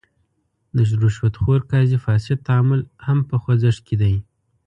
د رشوت خور قاضي فاسد تعامل هم په خوځښت کې دی.